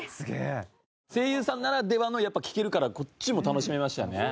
声優さんならではのを聞けるからこっちも楽しめましたよね。